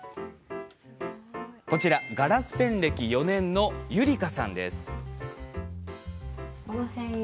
こちら、ガラスペン歴４年のゆりかさんです。